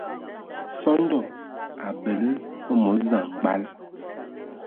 Sɔndɔ a bəle məmos samgbal.